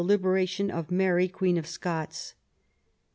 liberation of Mary Queen of Scots.